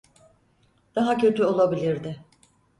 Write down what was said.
Daha kötü olabilirdi.